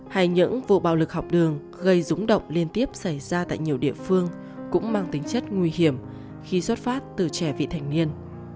hay những vụ bạo lực học đường gây rúng động liên tiếp xảy ra tại nhiều địa phương cũng mang tính chất nguy hiểm khi xuất phát từ trẻ vị thành niên